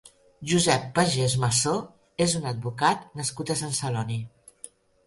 Josep Pagès Massó és un advocat nascut a Sant Celoni.